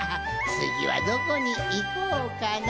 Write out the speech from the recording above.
つぎはどこにいこうかの。